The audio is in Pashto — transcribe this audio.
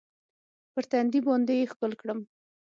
پر تندي باندې يې ښکل کړم.